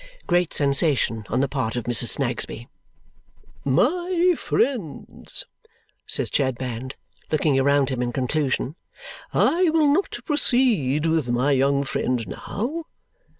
Great sensation on the part of Mrs. Snagsby. "My friends," says Chadband, looking round him in conclusion, "I will not proceed with my young friend now.